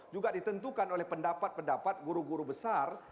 juga ditentukan oleh pendapat pendapat guru guru besar